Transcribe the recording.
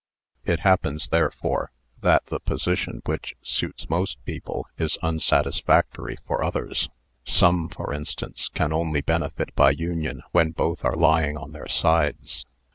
It happens, therefore, that the position which suits most people is unsatis factory for others. Some, for instance, can only benefit by union when* both are lying on their sides.